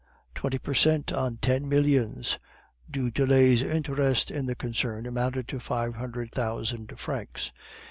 Twenty per cent, on ten millions! Du Tillet's interest in the concern amounted to five hundred thousand francs.